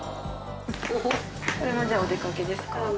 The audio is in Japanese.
これもじゃあお出かけですか？